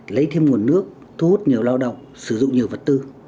lấy thêm nguồn nước thu hút nhiều lao động sử dụng nhiều vật tư